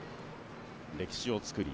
歴史を作り